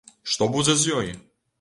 Што будзе з ёй?